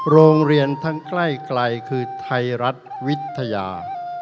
โรงเรียนทั้งใกล้คือไทยรัฐวิทยา